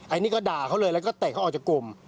อันนี้ก็ด่าเขาเลยแล้วก็เตะเขาออกจากกลุ่ม